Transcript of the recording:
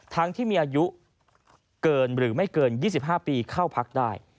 ทั้งที่มีอายุเกินหรือไม่เกิน๒๕ปีเข้าพักได้